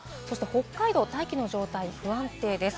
北海道、大気の状態不安定です。